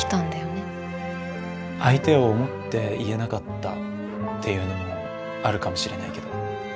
相手を思って言えなかったっていうのもあるかもしれないけど。